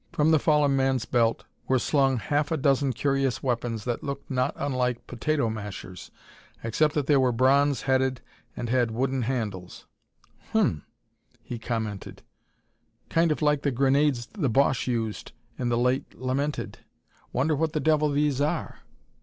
From the fallen man's belt were slung half a dozen curious weapons that looked not unlike potato mashers, except that they were bronze headed and had wooden handles. "Hum," he commented, "kind of like the grenades the Boche used in the late lamented. Wonder what the devil these are?"